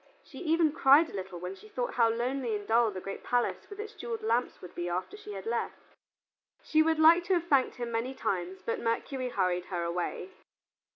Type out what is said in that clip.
She even cried a little when she thought how lonely and dull the great palace with its jeweled lamps would be after she had left. She would like to have thanked him many times, but Mercury hurried her away.